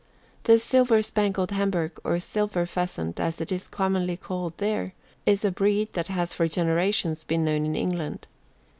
The Silver Spangled Hamburg, or Silver Pheasant, as it is commonly called there, is a breed that has for generations been known in England.